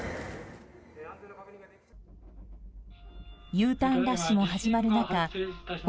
Ｕターンラッシュも始まる中北